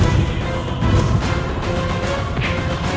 aku akan pergi ke istana yang lain